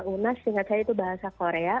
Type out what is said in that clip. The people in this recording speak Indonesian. unas seingat saya itu bahasa korea